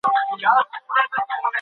انځورونه ښايي له اجازې پرته جوړ شي.